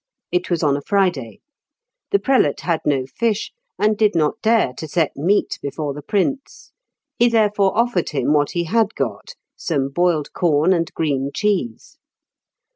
It was on a Friday. The prelate had no fish, and did not dare to set meat before the prince. He therefore offered him what he had got, some boiled corn and green cheese.